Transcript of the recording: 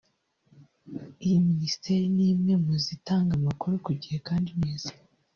Iyi Minisiteri ni imwe mu zitanga amakuru ku gihe kandi neza